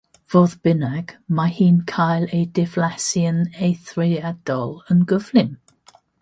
Fodd bynnag, mae hi'n cael ei diflasu'n eithriadol yn gyflym.